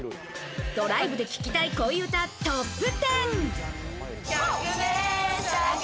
ドライブで聴きたい恋うたトップ１０。